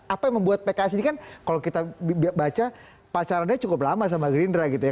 apa yang membuat pks ini kan kalau kita baca pacarannya cukup lama sama gerindra gitu ya